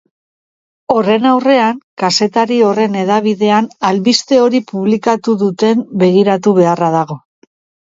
Horren aurrean, kazetari horren hedabidean albiste hori publikatu duten begiratu beharra dago.